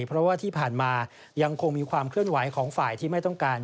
เพราะว่าที่ผ่านมายังคงมีความเคลื่อนไหวของฝ่ายที่ไม่ต้องการ